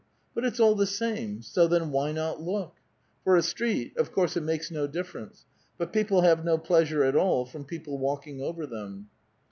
But it's all the same ; so, then, why not look ? For a street, of course it makes no difference ; but people have no pleasure at all from people Walking over them.